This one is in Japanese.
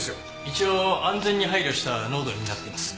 一応安全に配慮した濃度になっています。